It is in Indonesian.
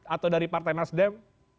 atau dari partai nasdem